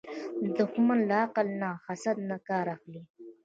دښمن له عقل نه، له حسد نه کار اخلي